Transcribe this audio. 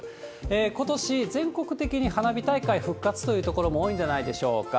ことし、全国的に花火大会復活というところも多いんじゃないでしょうか。